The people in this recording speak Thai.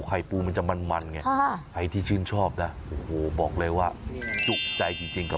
ไข่ปูมันจะมันไงใครที่ชื่นชอบนะโอ้โหบอกเลยว่าจุใจจริงกับ